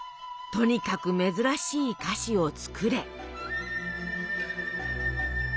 「とにかく珍しい菓子を作れ」。